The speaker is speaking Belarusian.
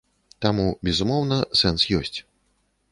Таму, безумоўна, сэнс ёсць.